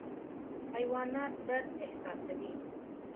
حیوانات درد احساسوي